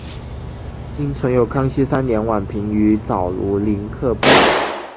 今存有康熙三年宛平于藻庐陵刻本。